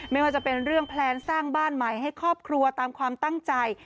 ไม่ว่าจะเป็นเรื่องแพลนสร้างบ้านใหม่ให้ครอบครัวตามความตั้งใจ